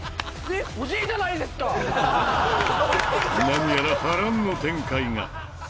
何やら波乱の展開が。